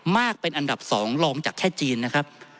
มากเป็นอันดับ๒ลองจากแค่จีนนะครับ